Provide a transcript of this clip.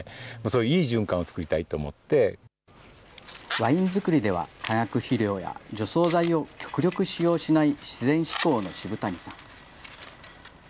ワイン造りでは、化学肥料や、除草剤を極力使用しない自然志向の渋谷さん。